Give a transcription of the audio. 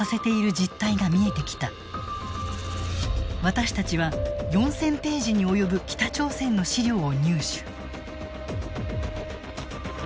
私たちは４，０００ページに及ぶ北朝鮮の資料を入手。